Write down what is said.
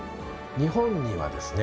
日本にはですね